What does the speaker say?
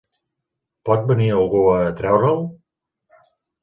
Pot venir algú a treure'l?